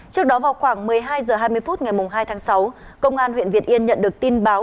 trước đó vào khoảng một mươi hai h hai mươi phút ngày hai tháng sáu công an huyện việt yên nhận được tin báo